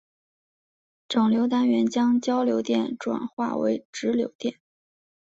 整流单元将交流电转化为直流电。